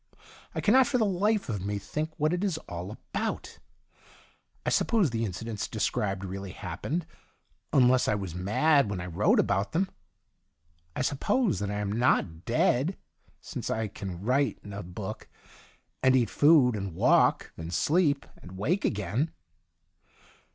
I cannot for the life of me think what it is all about. I suppose the incidents described really happened, unless I was mad when I wrote about them. I suppose that I am not dead, since I can write in a book, and eat food, and walk, and sleep and wake again.